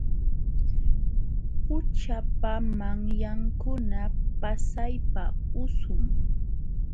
Qućhapa manyankuna pasaypa usum.